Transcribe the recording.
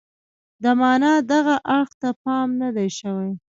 د معنا دغه اړخ ته پام نه دی شوی.